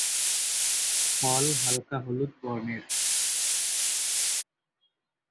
ফল হালকা হলুদ বর্ণের।